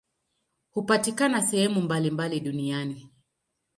Hupatikana sehemu mbalimbali duniani.